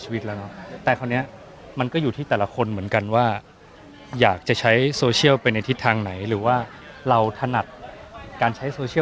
มีไปด้วยกันแต่ไม่สามารถลงรูปอะไรสวยงามที่เราคิดว่ามันก็น่าสวยดี